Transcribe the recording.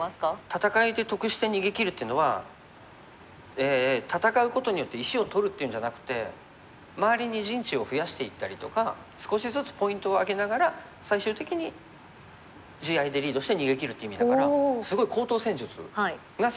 戦いで得して逃げきるっていうのは戦うことによって石を取るっていうんじゃなくて周りに陣地を増やしていったりとか少しずつポイントを挙げながら最終的に地合いでリードして逃げきるっていう意味だからすごい高等戦術が好きって言ってますよね。